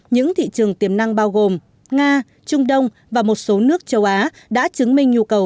những thị trường tiềm năng bao gồm nga trung đông và một số nước châu á đã chứng minh nhu cầu